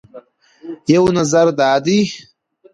یو نظر دا دی